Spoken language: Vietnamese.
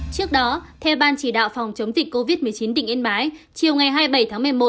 trước đó theo ban chỉ đạo phòng chống dịch covid một mươi chín tỉnh yên bái chiều ngày hai mươi bảy tháng một mươi một